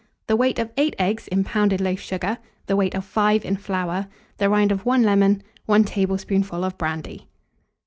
The weight of 8 eggs in pounded loaf sugar, the weight of 5 in flour, the rind of 1 lemon, 1 tablespoonful of brandy.